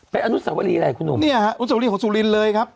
เป็นอนุสวรีอะไรคุณหนุ่มเนี่ยฮะอนุสาวรีของสุรินเลยครับ